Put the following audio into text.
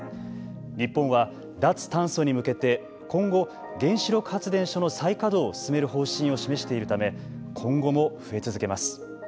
日本は脱炭素に向けて今後、原子力発電所の再稼働を進める方針を示しているため今後も増え続けます。